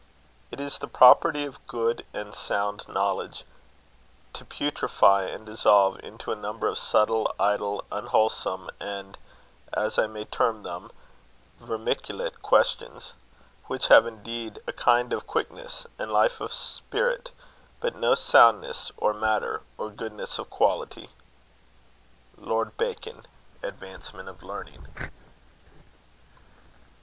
It is the property of good and sound knowledge, to putrifie and dissolve into a number of subtle, idle, unwholesome, and (as I may tearme them) vermiculate questions; which have indeed a kinde of quicknesse, and life of spirite, but no soundnesse of matter, or goodnesse of quality. LORD BACON. Advancement of Learning.